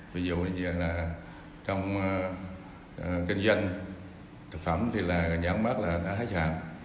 ví dụ như là trong kinh doanh thực phẩm thì là nhãn mát là đã hết hàng